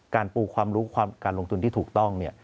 การปูความรู้การลงทุนที่ถูกต้อง